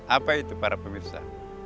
apa itu para pemirsa